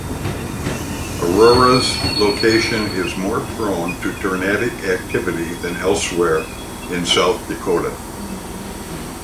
Aurora's location is more prone to tornadic activity than elsewhere in South Dakota.